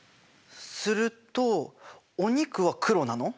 するとお肉は黒なの？